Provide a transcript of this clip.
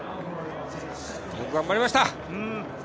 よく頑張りました！